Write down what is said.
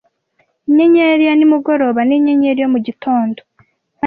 inyenyeri ya nimugoroba n'inyenyeri yo mu gitondo